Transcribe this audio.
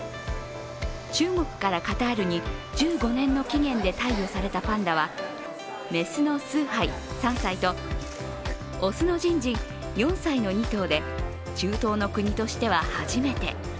中国からカタールに１５年の期限で貸与されたパンダは雌のスーハイ３歳と雄のジンジン４歳の２頭で中東の国としては初めて。